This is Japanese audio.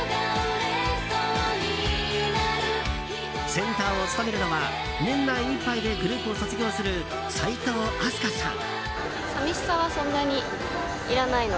センターを務めるのは年内いっぱいでグループを卒業する齋藤飛鳥さん。